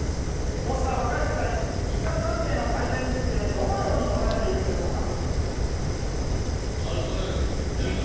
こうした若い世代日韓関係の改善についてどのように捉えているんでしょうか。